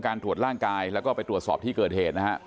ตรวจร่างกายแล้วก็ไปตรวจสอบที่เกิดเหตุนะฮะ